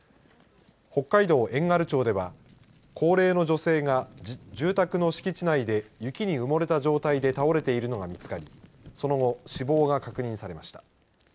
北海道遠軽町では高齢の女性が住宅の敷地内で雪に埋もれた状態で倒れているのが見つかりその後、死亡が確認されました。